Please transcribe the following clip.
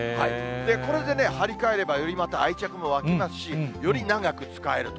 これでね、張り替えればよりまた愛着も湧きますし、より長く使えると。